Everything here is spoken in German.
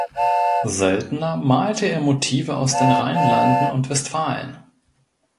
Seltener malte er Motive aus den Rheinlanden und Westfalen.